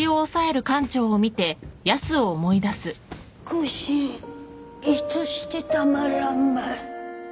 腰んいとしてたまらんばい